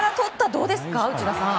どうですか、内田さん。